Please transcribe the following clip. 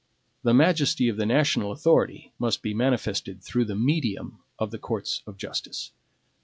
The majesty of the national authority must be manifested through the medium of the courts of justice.